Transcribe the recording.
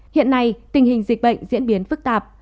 hiện nay tình hình dịch bệnh diễn biến phức tạp